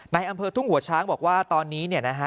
ในอำเภอทุ่งหัวช้างบอกว่าตอนนี้เนี่ยนะฮะ